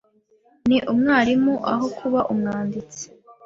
Ni umwarimu aho kuba umwanditsi.